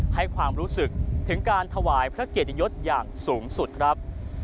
ให้ความรู้สึกถึงการถวายพระเกียรติยศอย่างสูงสุดครับ